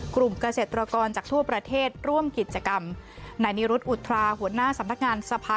กลุ่มเกษตรกรจากทั่วประเทศร่วมกิจกรรมในนิรุธอุทราหัวหน้าสำนักงานสภา